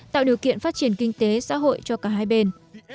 tạo điều kiện phát triển kinh tế xã hội cho cả hai bên